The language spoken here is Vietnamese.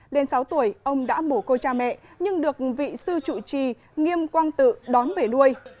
lên sáu tuổi ông đã mổ cô cha mẹ nhưng được vị sư chủ trì nghiêm quang tự đón về nuôi